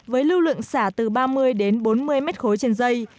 với lưu lượng xả từ ba mươi đến bốn mươi mét khối trên dây